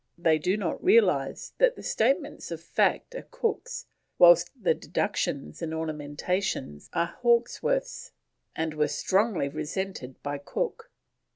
They do not realise that the statements of fact are Cook's, whilst the deductions and ornamentations are Hawkesworth's, and were strongly resented by Cook.